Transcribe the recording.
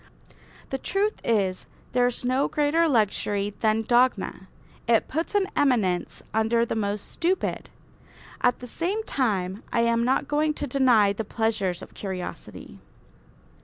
The truth is, there is no greater luxury than dogma. It puts an eminence under the most stupid. At the same time I am not going to deny the pleasures of curiosity.